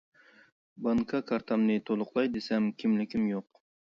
بانكا كارتامنى تولۇقلاي دېسەم كىملىكىم يوق.